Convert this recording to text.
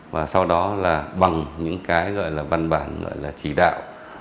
và sau đó là bằng những cái gọi là văn bản gọi là chỉ đạo